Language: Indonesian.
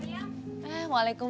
rawun kan juga anaknya